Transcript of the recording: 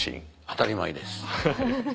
当たり前です。